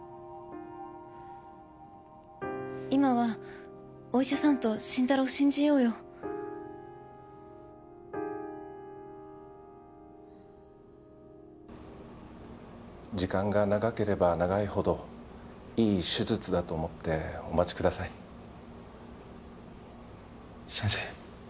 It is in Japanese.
今はお医者さんと慎太郎を信じようよ時間が長ければ長いほどいい手術だと思ってお待ちください先生